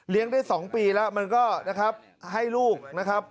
เลี้ยงได้สองปีแล้วมันก็นะครับให้ลูกนะครับ